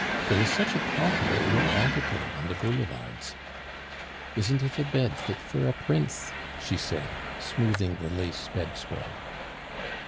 There is such a talk about your article on the Boulevards. Isn't it a bed fit for a prince," she said, smoothing the lace bed spread.